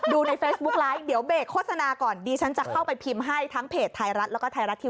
ในเฟซบุ๊กไลฟ์เดี๋ยวเบรกโฆษณาก่อนดีฉันจะเข้าไปพิมพ์ให้ทั้งเพจไทยรัฐแล้วก็ไทยรัฐทีวี